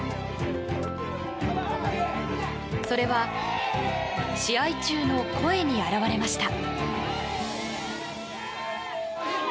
それは試合中の声に表れました。